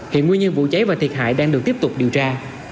hiện nguyên nhân vụ cháy và thiệt hại đang được tiếp tục điều tra